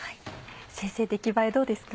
先生出来栄えどうですか？